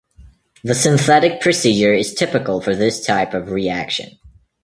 The synthetic procedure is typical for this type of reaction.